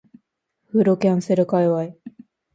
風呂キャンセル界隈